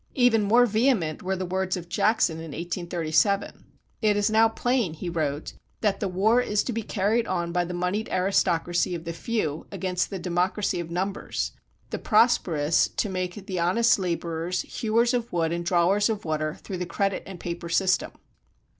Even more vehement were the words of Jackson in 1837. "It is now plain," he wrote, "that the war is to be carried on by the monied aristocracy of the few against the democracy of numbers; the [prosperous] to make the honest laborers hewers of wood and drawers of water through the credit and paper system."